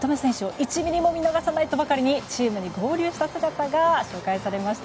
１ｍｍも見逃さないとばかりにチームに合流した姿が紹介されました。